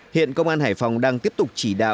hiện công an hải phòng đang tiếp tục chỉ đạo